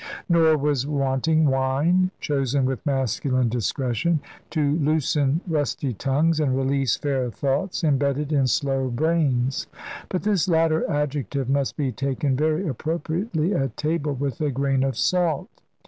Nor was wanting wine, chosen with masculine discretion, to loosen rusty tongues and release fair thoughts embedded in slow brains. But this latter adjective must be taken very appropriately at table with a grain of salt.